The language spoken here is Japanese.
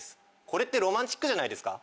これってロマンチックじゃないですか？